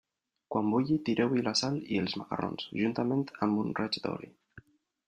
Quan bulli, tireu-hi la sal i els macarrons, juntament amb un raig d'oli.